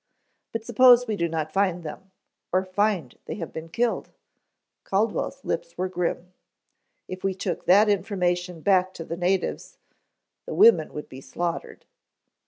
"But suppose we do not find them, or find they have been killed?" Caldwell's lips were grim. "If we took that information back to the natives, the women would be slaughtered."